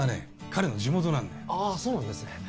彼の地元なんだよああそうなんですね